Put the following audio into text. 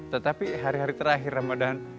tetapi hari hari terakhir ramadan